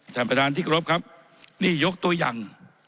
ท่านประธานที่กรบครับนี่ยกตัวอย่าง